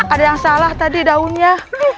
ada yang salah tadi daunnya